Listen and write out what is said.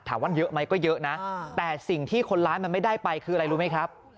ว่าเยอะไหมก็เยอะนะแต่สิ่งที่คนร้ายมันไม่ได้ไปคืออะไรรู้ไหมครับ